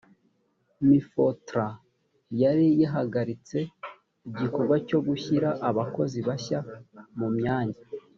mifotra yari yarahagaritse igikorwa cyo gushyira abakozi bashya mu myanya